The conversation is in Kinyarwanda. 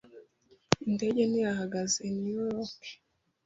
Indege ntiyahagaze i New York.